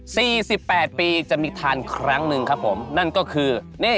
สี่สิบแปดปีอีกจะต้องมีทานครั้งนึงครับผมนั่นก็คือนี่